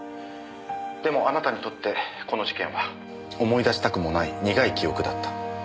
でもあなたにとってこの事件は思い出したくもない苦い記憶だった。